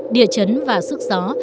địa chấn và sức gió